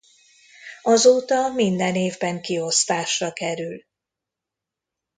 Azóta minden évben kiosztásra kerül.